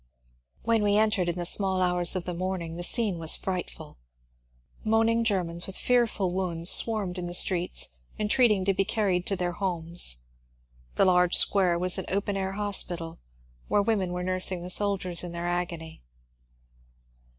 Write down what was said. When we entered in the small hours of the morning the scene was fright ful. Moaning Germans with fearful wounds swarmed in the SCENES IN PONT A MOUSSON 241 streets, entreating to be carried to their homes. The large square was an open air hospital, where women were nursing the soldiers in their agony.